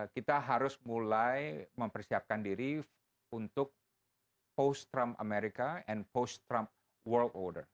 kita harus mulai mempersiapkan diri untuk post trump america and post trump world order